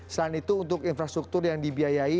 selain itu untuk infrastruktur yang dibiayai